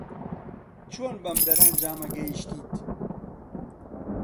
چۆن بەم دەرەنجامە گەیشتیت؟